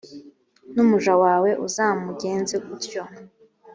n’umuja wawe uzamugenze utyo.